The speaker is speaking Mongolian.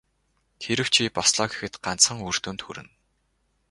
Хэрэв чи бослоо гэхэд ганцхан үр дүнд хүрнэ.